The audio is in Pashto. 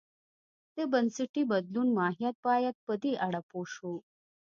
د بنسټي بدلونو ماهیت باید په دې اړه پوه شو.